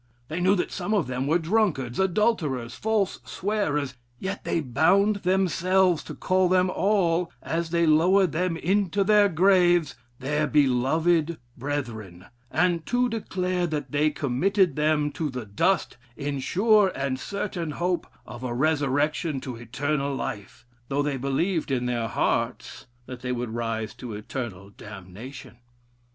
They knew that some of them were drunkards, adulterers, false swearers. Yet they bound themselves to call them all, as they lowered them into their graves, their 'beloved brethren,' and to declare that they committed them to the dust 'in sure and curtain hope of a resurrection to eternal life,' though they believed in their hearts that they would rise to eternal damnation....